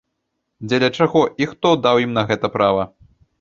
Дзеля чаго і хто даў ім на гэта права?